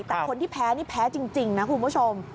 แต่คนที่แพ้นี่แพ้จริงนะคุณผู้ชม